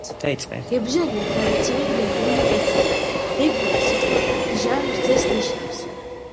გებჟალია ტრადიციული მეგრული კერძია. მეგრული სიტყვა „ბჟა“, რძეს ნიშნავს.